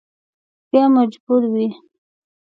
بیا مجبور وي.